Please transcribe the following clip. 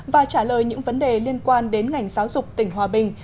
và trả lời những vấn đề liên quan đến ngành giáo dục tỉnh hòa bình